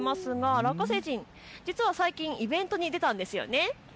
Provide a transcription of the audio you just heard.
ラッカ星人、実つは最近イベントに出たんですよね。